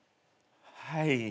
はい。